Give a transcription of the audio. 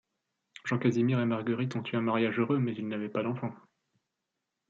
Jean Casimir et Marguerite ont eu un mariage heureux, mais ils n'avaient pas d'enfants.